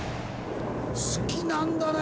好きなんだね。